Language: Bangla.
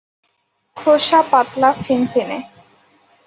খোসা পাতলা ফিনফিনে।